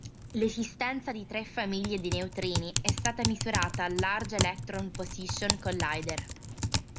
L'esistenza di tre famiglie di neutrini è stata misurata al Large Electron-Positron Collider.